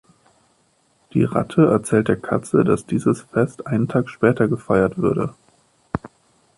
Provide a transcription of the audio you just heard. Die Ratte erzählte der Katze, dass dieses Fest einen Tag später gefeiert würde.